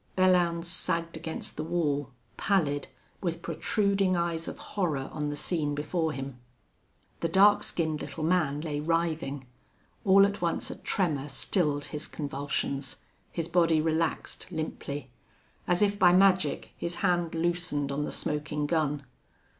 Belllounds sagged against the wall, pallid, with protruding eyes of horror on the scene before him. The dark skinned little man lay writhing. All at once a tremor stilled his convulsions. His body relaxed limply. As if by magic his hand loosened on the smoking gun.